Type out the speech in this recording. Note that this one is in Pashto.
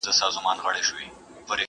قاسم یاره ته په رنګ د زمانې سه،